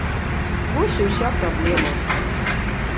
Вось і ўся праблема!